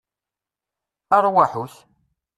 Arwaḥut!